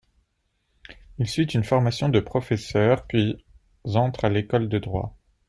Il suit une formation de professeur puis entre à l'école de droit.